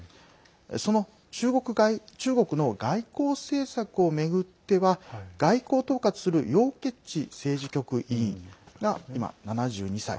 その中国の外交政策を巡っては外交統括する楊政治局委員が今、７２歳。